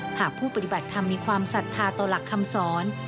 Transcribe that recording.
หากผู้ปฏิบัติธรรมมีความศรัทธาต่อหลักคำสอน